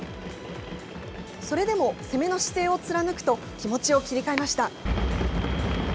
それでも攻めの姿勢を貫くと、気持ちを切り替えました。